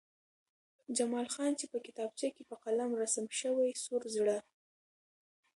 جمال خان چې په کتابچه کې په قلم رسم شوی سور زړه